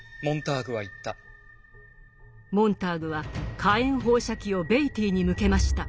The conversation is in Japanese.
モンターグは火炎放射器をベイティーに向けました。